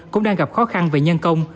cũng đang gặp khó khăn về nhân công